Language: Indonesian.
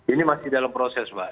ini masih dalam proses pak